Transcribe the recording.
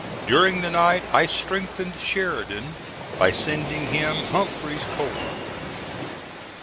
During the night I strengthened Sheridan by sending him Humphreys's corps.